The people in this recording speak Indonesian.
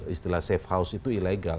istilah safe house itu ilegal